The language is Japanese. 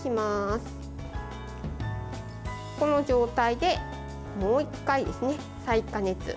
この状態で、もう１回、再加熱。